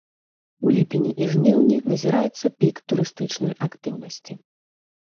У ліпені і жніўні назіраецца пік турыстычнай актыўнасці.